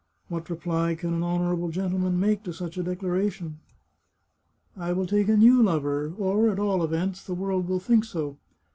" What reply can an honourable gentleman make to such a declaration? " I will take a new lover, or, at all events, the world will think so.